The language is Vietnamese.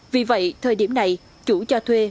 vì vậy thời điểm này chủ cho thuê